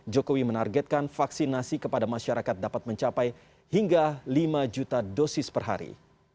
jokowi menargetkan vaksinasi kepada masyarakat dapat mencapai hingga lima juta dosis per hari